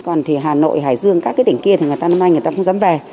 còn thì hà nội hải dương các cái tỉnh kia thì người ta năm nay người ta không dám về